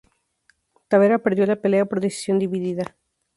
Tabera perdió la pelea por decisión dividida.